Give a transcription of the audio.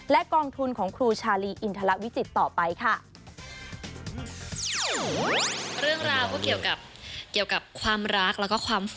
และกองทุนของครูชาลีอินทรวิจิตรต่อไปค่ะ